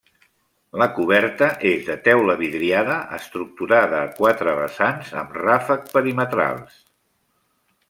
La coberta és de teula vidriada estructurada a quatre vessants amb ràfec perimetrals.